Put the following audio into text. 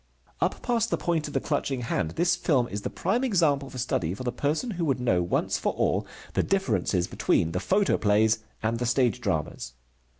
Up past the point of the clutching hand this film is the prime example for study for the person who would know once for all the differences between the photoplays and the stage dramas.